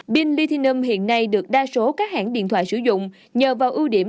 pin lithium hiện nay được đa số các hãng điện thoại sử dụng nhờ vào ưu điểm